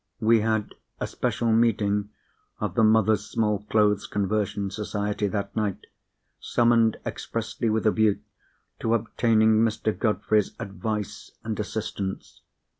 We had a special meeting of the Mothers' Small Clothes Conversion Society that night, summoned expressly with a view to obtaining Mr. Godfrey's advice and assistance.